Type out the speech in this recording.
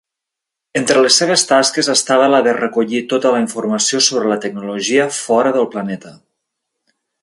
Entre les seves tasques estava la de recollir tota la informació sobre la tecnologia fora del planeta.